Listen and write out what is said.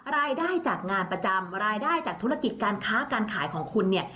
รายได้จากงานประจำรายได้จากธุรกิจการค้าการขายของคุณเนี่ย